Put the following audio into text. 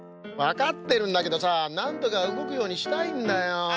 わかってるんだけどさあなんとかうごくようにしたいんだよ。